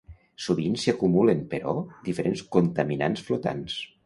Sovint s'hi acumulen, però, diferents contaminants flotants.